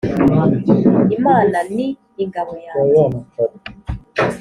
imana ni ingabo yanjye.